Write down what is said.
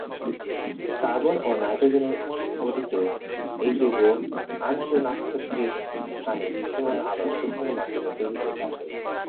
Carbon এবং nitrogen ঘটিত এই যৌগটি আন্তঃনাক্ষত্রিক স্থানে দৃশ্যমান আলোর শোষণের মাধ্যমে তৈরি হয়ে থাকে।